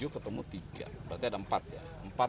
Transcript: dua puluh tujuh ketemu tiga berarti ada empat ya